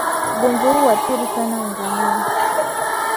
Ugonjwa huu huathiri sana ngamia